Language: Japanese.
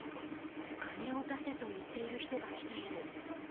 金を出せと言っている人が来ている。